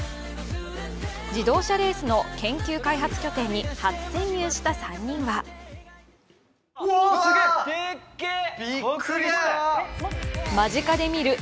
自動車レースの研究開発拠点に初潜入した３人は間近で見るＦ１